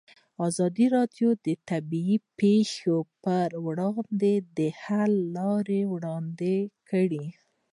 ازادي راډیو د طبیعي پېښې پر وړاندې د حل لارې وړاندې کړي.